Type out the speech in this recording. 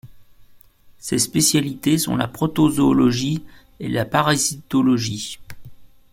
Ses spécialités sont la protozoologie et la parasitologie.